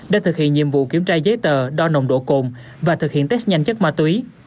để thực hiện nhiệm vụ kiểm tra giấy tờ đo nồng độ cồn và thực hiện test nhanh chất ma túy